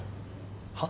はっ？